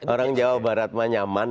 orang jawa barat mah nyaman